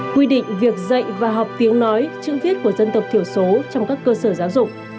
quy định việc dạy và học tiếng nói chữ viết của dân tộc thiểu số trong các cơ sở giáo dục